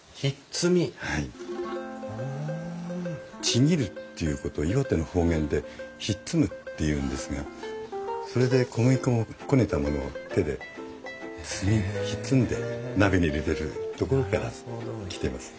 ちぎるっていうことを岩手の方言でひっつむっていうんですがそれで小麦粉をこねたものを手でひっつんで鍋に入れてるところから来てます。